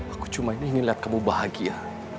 aku cuma ini lihat kamu bahagia